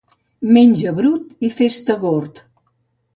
Menja brut i fes-te «gord».